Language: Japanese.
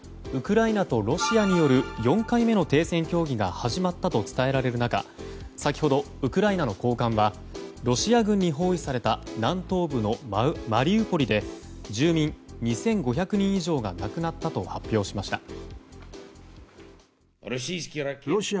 ウクライナとロシアによる４回目の停戦協議が始まったと伝えられる中先ほど、ウクライナの高官はロシア軍に包囲された南東部のマリウポリで住民２５００人以上が亡くなったと発表しました。